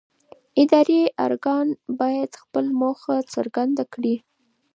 اداري ارګان باید خپله موخه څرګنده کړي.